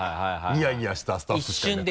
ニヤニヤしたスタッフしかいなくて。